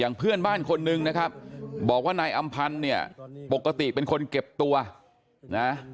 เพื่อนบ้านคนนึงนะครับบอกว่านายอำพันธ์เนี่ยปกติเป็นคนเก็บตัวนะ